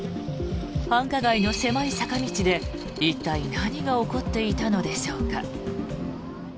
繁華街の狭い坂道で一体、何が起こっていたのでしょうか。